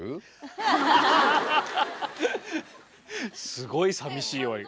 すごいさみしい終わり。